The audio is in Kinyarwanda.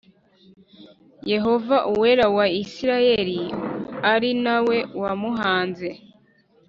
Yehova uwera wa isirayeli o ari na we wamuhanze